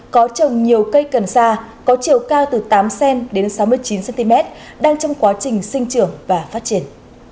có trồng nhiều cây cần sa có chiều cao từ tám cm đến sáu mươi chín cm đang trong quá trình sinh trưởng và phát triển